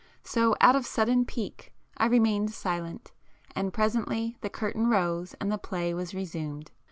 So out of sudden pique I remained silent, and presently the curtain rose and the play was resumed.